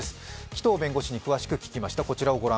紀藤弁護士に詳しく聞きました。